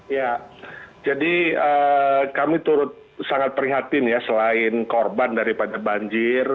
ya jadi kami turut sangat prihatin ya selain korban daripada banjir